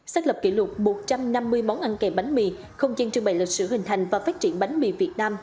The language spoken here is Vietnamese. xác lập kỷ lục một trăm năm mươi món ăn kèm bánh mì không gian trưng bày lịch sử hình thành và phát triển bánh mì việt nam